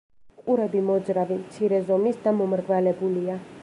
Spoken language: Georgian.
ყურები მოძრავი, მცირე ზომის და მომრგვალებულია.